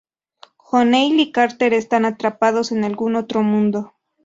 O'Neill y Carter están atrapados en algún otro mundo.